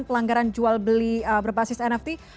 pelanggaran jual beli berbasis nft